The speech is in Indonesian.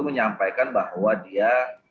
menyampaikan bahwa dia